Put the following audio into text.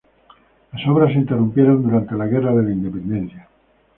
Las obras se interrumpieron durante la guerra de la Independencia.